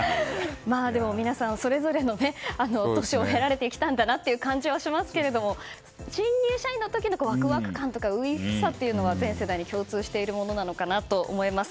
でも皆さんそれぞれの年を経られてきたんだなという感じはしますけども新入社員の時のワクワク感とか初々しさは全世代に共通しているものなのかなと思います。